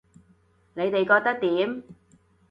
你哋覺得點